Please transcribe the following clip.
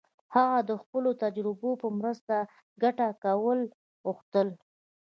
هغه د خپلو تجربو په مرسته ګټه کول غوښتل.